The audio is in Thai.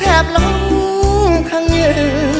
แทบล้มทางเหยื่อ